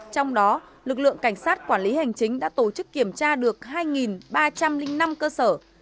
trong đó lực lượng cảnh sát quản lý hành chính đã tổ chức kiểm tra được hai ba trăm linh năm cơ sở